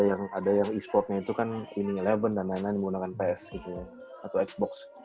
ada yang e sportnya itu kan mini sebelas dan lain lain menggunakan ps atau xbox